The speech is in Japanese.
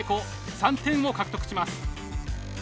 ３点を獲得します。